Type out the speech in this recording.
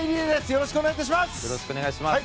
よろしくお願いします。